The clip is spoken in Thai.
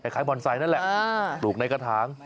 บอนไซค์นั่นแหละปลูกในกระถาง